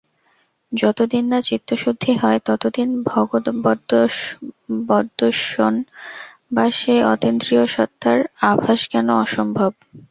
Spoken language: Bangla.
যতদিন না চিত্তশুদ্ধি হয়, ততদিন ভগবদ্দর্শন বা সেই অতীন্দ্রিয় সত্তার আভাসজ্ঞানও অসম্ভব।